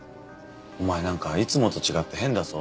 お前なんかいつもと違って変だぞ。